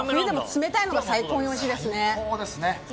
冷たいのが最高においしいです。